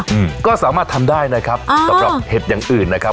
อืมก็สามารถทำได้นะครับอ่าสำหรับเห็ดอย่างอื่นนะครับ